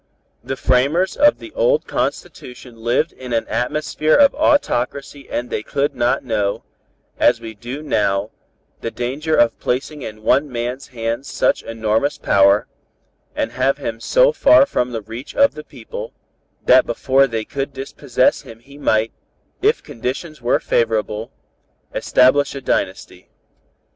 "The framers of the old Constitution lived in an atmosphere of autocracy and they could not know, as we do now, the danger of placing in one man's hands such enormous power, and have him so far from the reach of the people, that before they could dispossess him he might, if conditions were favorable, establish a dynasty.